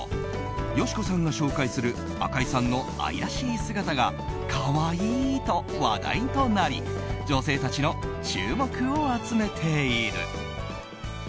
佳子さんが紹介する赤井さんの愛らしい姿が可愛いと話題となり女性たちの注目を集めている。